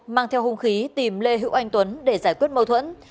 mang theo hung khí tìm lê hữu anh tuấn để giải quyết mâu thuẫn